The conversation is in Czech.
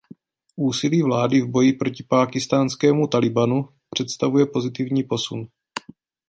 Úsilí vlády v boji proti pákistánskému Talibanu představuje pozitivní posun.